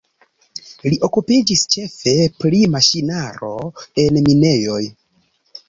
Li okupiĝis ĉefe pri maŝinaro en minejoj.